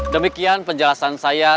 demikian penjelasan saya